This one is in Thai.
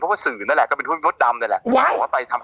ก็หลุดออกมาเป็นคนดีดีที่สุด